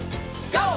ＧＯ！